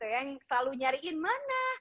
yang selalu nyariin mana